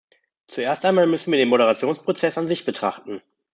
Zuerst einmal müssen wir den Moderationsprozess an sich betrachten.